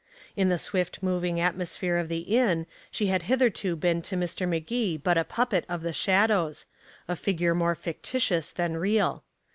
In the swift moving atmosphere of the inn she had hitherto been to Mr. Magee but a puppet of the shadows, a figure more fictitious than real.